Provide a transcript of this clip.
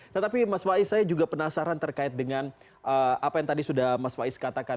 tetapi mas faiz saya juga penasaran terkait dengan apa yang tadi sudah mas faiz katakan